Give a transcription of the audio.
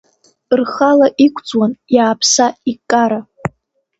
Рхала иқәҵуан, иааԥса-икара…